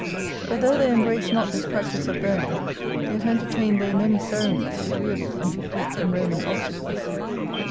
But though they embraced not this practice of burning, yet entertained they many ceremonies agreeable unto Greek and Roman obsequies.